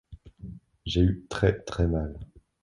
J’ai eu très très mal.